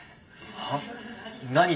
はっ？